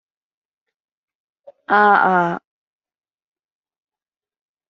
啊呀